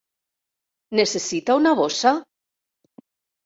Necessita una bossa?